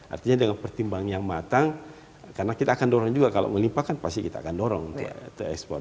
artinya dengan pertimbangan yang matang karena kita akan dorong juga kalau melimpahkan pasti kita akan dorong untuk ekspor